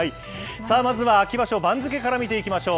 さあ、まずは秋場所、番付から見ていきましょう。